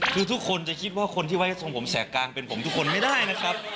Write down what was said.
คือทุกคนจะคิดว่าคนที่ไว้ทรงผมแสกกลางเป็นผมทุกคนไม่ได้นะครับ